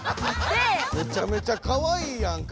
めちゃめちゃかわいいやんか。